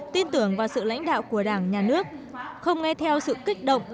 tin tưởng vào sự lãnh đạo của đảng nhà nước không nghe theo sự kích động